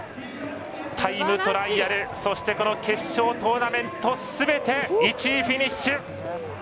タイムトライアルそしてこの決勝トーナメントすべて１位フィニッシュ。